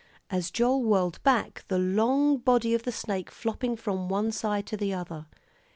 as Joel whirled back, the long body of the snake flopping from one side to the other.